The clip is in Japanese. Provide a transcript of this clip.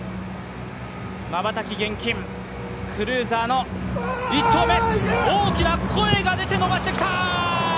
瞬き厳禁、クルーザーの１投目、大きな声が出て、目指してきた！